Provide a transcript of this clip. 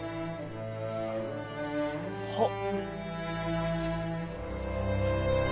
はっ。